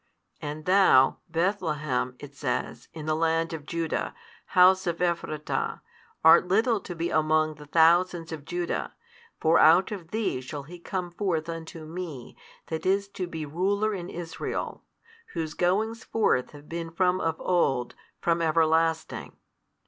And thou, Bethlehem, it says, in the land of Judah, house of Ephrata, art little to be among the thousands of Judah, for out of thee shall He come forth unto Me That is to be ruler in Israel, Whose goings forth have been from of old, from everlasting.